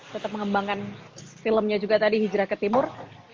tetap mengembangkan filmnya juga tadi hijrah ke timur